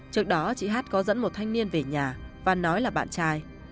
trước đó chị hát có dẫn một thanh niên về nhà và nói là bạn trai